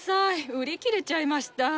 売り切れちゃいました。